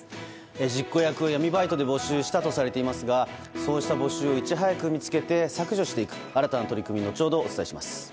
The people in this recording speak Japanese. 実行役を闇バイトで募集したとされていますがそうした募集をいち早く見つけて削除していく新たな取り組みを後ほど、お伝えします。